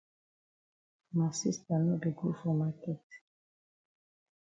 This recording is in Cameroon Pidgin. Ma sista no be go for maket.